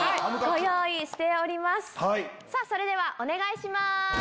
それではお願いします。